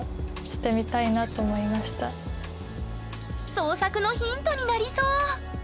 創作のヒントになりそう！